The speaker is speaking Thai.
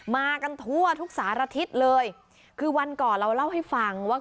มากันทั่วทุกสารทิศเลยคือวันก่อนเราเล่าให้ฟังว่า